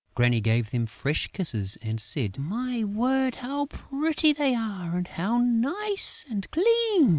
Granny gave them fresh kisses and said: "My word, how pretty they are and how nice and clean!...